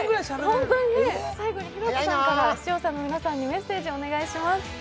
最後に広瀬さんから視聴者の皆さんにメッセージお願いします。